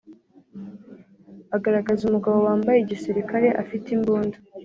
agaragaza umugabo wambaye gisirikare afite imbunda